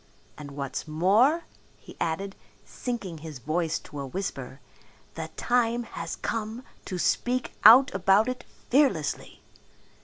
And what's more," he added, sinking his voice to a whisper, "the time has come to speak out about it fearlessly."